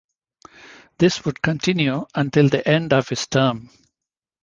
This would continue until the end of his term.